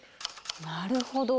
なるほど！